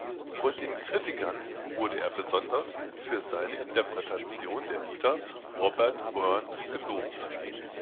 Von den Kritikern wurde er besonders für seine Interpretationen der Lieder Robert Burns’ gelobt.